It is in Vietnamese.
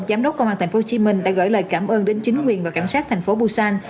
giám đốc công an tp hcm đã gửi lời cảm ơn đến chính quyền và cảnh sát tp busan